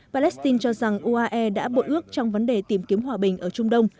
palestine cho rằng uae đã bội ước trong vấn đề tìm kiếm hòa bình ở trung đông